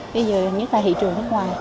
bây giờ nhất là thị trường nước ngoài